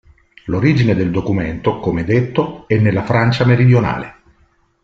L'origine del documento, come detto, è nella Francia meridionale.